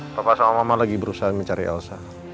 bapak sama mama lagi berusaha mencari elsa